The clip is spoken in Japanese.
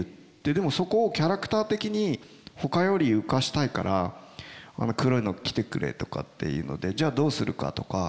でもそこをキャラクター的にほかより浮かしたいから黒いの着てくれとかっていうのでじゃあどうするかとか。